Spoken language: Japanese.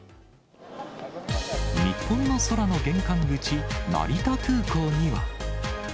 日本の空の玄関口、成田空港には。